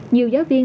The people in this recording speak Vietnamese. nhiều giáo viên